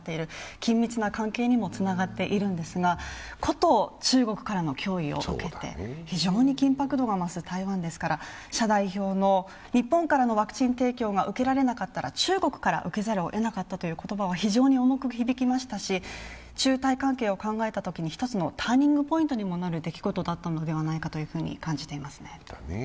緊密な関係にもつながっているんですが、こと中国からの脅威を受けて非常に緊迫度が増す台湾ですから、謝代表の日本からのワクチン提供が受けられなかったら中国から受けざるをえなかったという言葉は非常に重く響きましたし、中台関係を考えたときに１つのターニングポイントにもなる出来事だったのではないかと感じていますね。